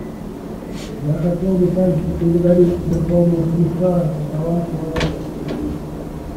Я хотел бы также поблагодарить Верховного комиссара по правам человека.